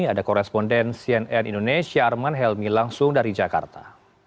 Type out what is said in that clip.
ada koresponden cnn indonesia arman helmi langsung dari jakarta